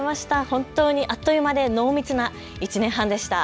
本当にあっという間で濃密な１年半でした。